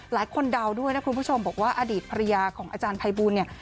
เดาด้วยนะคุณผู้ชมบอกว่าอดีตภรรยาของอาจารย์ภัยบูลเนี่ย